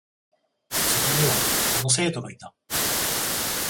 そこには、あの生徒がいた。